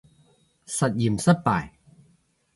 實驗失敗